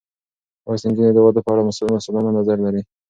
لوستې نجونې د واده په اړه مسؤلانه نظر لري.